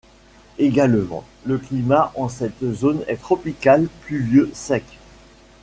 Également, le climat en cette zone est tropical pluvieux sec.